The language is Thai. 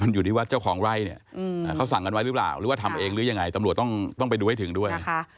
อยู่ที่ว่าเจ้าของไร่เนี่ยเขาสั่งกันไว้หรือเปล่าหรือว่าทำเองหรือยังไงตำรวจต้องไปดูให้ถึงด้วย